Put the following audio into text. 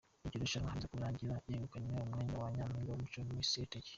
Iryo rushanwa riza kurangira yegukanye umwanya wa Nyampinga w’Umuco ‘Miss Heritage’.